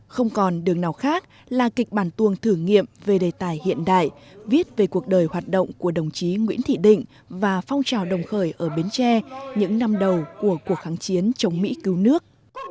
không còn đường nào khác là kịch bản tuồng thử nghiệm về đề tài hiện đại viết về cuộc đời hoạt động của đồng chí nguyễn thị định và phong trào đồng khởi ở bến tre những năm đầu của cuộc kháng chiến chống mỹ cứu nước